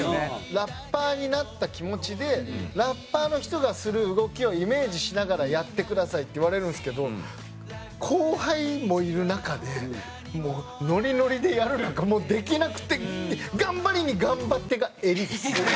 ラッパーになった気持ちでラッパーの人がする動きをイメージしながらやってくださいって言われるんですけど後輩もいる中でノリノリでやるなんかできなくて頑張りに頑張ってが襟です。